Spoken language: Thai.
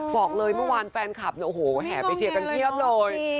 บอกเลยเมื่อวานแฟนคลับเนี่ยโอ้โหแห่ไปเชียร์กันเพียบเลย